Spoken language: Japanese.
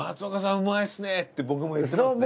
うまいっすねって僕も言ってますね。